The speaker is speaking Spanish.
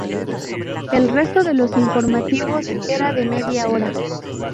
El resto de los informativos era de media hora.